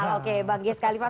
oke bang ges kalifas